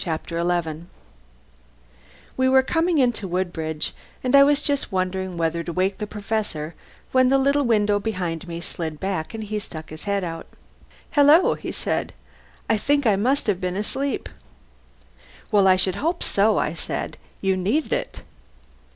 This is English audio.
CHAPTER ELEVEN We were coming into Woodbridge; and I was just wondering whether to wake the Professor when the little window behind me slid back and he stuck his head out. "Hello!" he said. "I think I must have been asleep!" "Well, I should hope so," I said. "You needed it."